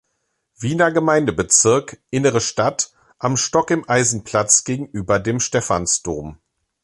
Wiener Gemeindebezirk, Innere Stadt, am Stock-im-Eisen-Platz gegenüber dem Stephansdom.